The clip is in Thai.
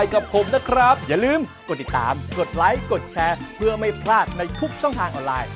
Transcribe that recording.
กดไลค์กดแชร์เพื่อไม่พลาดในทุกช่องทางออนไลน์